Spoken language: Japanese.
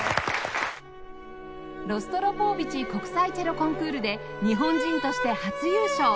ロストロポーヴィチ国際チェロコンクールで日本人として初優勝